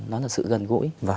nó là sự gần gũi